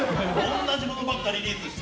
同じことばっかリリースして。